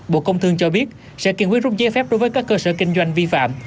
bộ công thương cho biết sẽ kiên quyết rút giấy phép đối với các cơ sở kinh doanh vi phạm